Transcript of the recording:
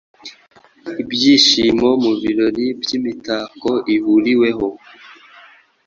Ibyishimo mubirori byimitako ihuriweho